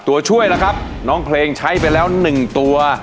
ตัวช่วยละครับน้องเพลงใช้ไปละหนึ่งตัว